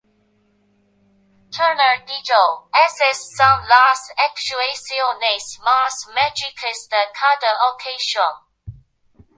Turner dijo: "Esas son las actuaciones más mágicas de cada canción.